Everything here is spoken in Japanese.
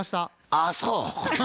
ああそう。